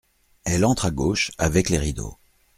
Elle entre à gauche avec les rideaux.